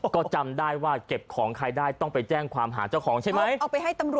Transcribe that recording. ก็จำได้ว่าเก็บของใครได้ต้องไปแจ้งความหาเจ้าของใช่ไหม